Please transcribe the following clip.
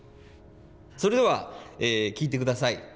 それでは聴いてください。